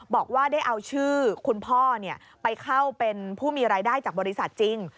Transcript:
บอกว่าได้เอาชื่อคุณพ่อไปเข้าเป็นผู้มีรายได้จากบริษัทจริง